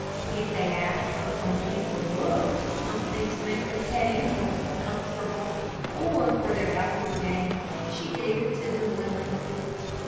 If they asked her for money for books or something to make their pet animals more comfortable, or for their outdoor games, she gave it to them willingly.